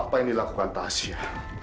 apa yang dilakukan tasya